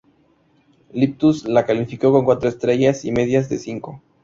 Lipshutz la calificó con cuatro estrellas y media de cinco.